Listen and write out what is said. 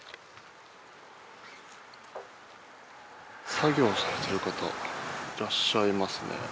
作業してる方いらっしゃいますね。